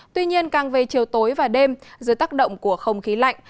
tuy nhiên càng về chiều tối và đêm dưới tác động của không khí lạnh